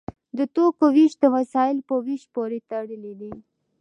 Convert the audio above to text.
د توکو ویش د وسایلو په ویش پورې تړلی دی.